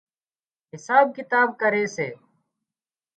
حساب ڪتاب ڪري سي